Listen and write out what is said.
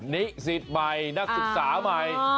นี่สิทธิ์ใหม่นักศึกษาใหม่